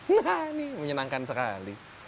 nah ini menyenangkan sekali